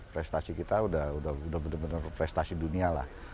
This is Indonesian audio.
prestasi kita sudah benar benar prestasi dunia